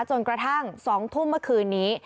จนกระทั่ง๒ทุ่มเมื่อคืนนี้